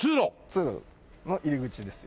通路の入り口です。